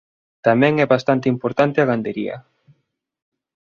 Tamén é bastante importante a gandería.